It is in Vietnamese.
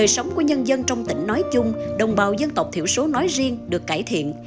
sống của nhân dân trong tỉnh nói chung đồng bào dân tộc thiểu số nói riêng được cải thiện